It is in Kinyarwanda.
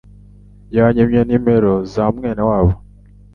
Yanyimye numero za mwene wabo